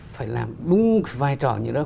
phải làm đúng vai trò như đó